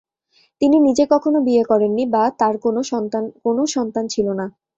তিনি নিজে কখনও বিয়ে করেননি বা তার কোনও সন্তান ছিল না।